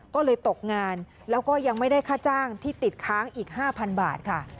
ก็เลยตกงานแล้วก็ยังไม่ได้ค่าจ้างที่ติดค้างอีก๕๐๐บาทค่ะ